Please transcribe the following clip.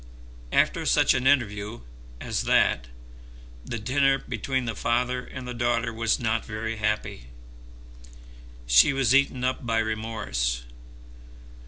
After such an interview as that the dinner between the father and the daughter was not very happy. She was eaten up by remorse.